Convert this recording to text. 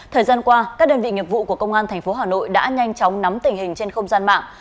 thời gian qua các đơn vị nghiệp vụ của công an tp hà nội đã nhanh chóng nắm tình hình trên không gian mạng